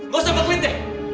lo sudah berkelit deh